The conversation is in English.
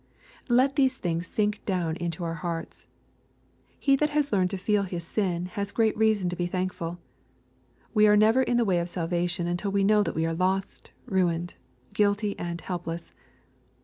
Let these things sink down into our hearts. He that has learned to feel his sins has great reason to be thank ful. We are never in the way of salvation until we know that we are lost, ruined, guilty, and helpless.